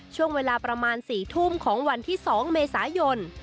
ช่วงเวลาประมาณ๔ทุ่มของวันที่๒เมษายน